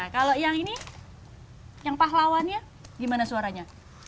kalau yang ini yang pahlawannya gimana suaranya